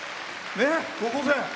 高校生。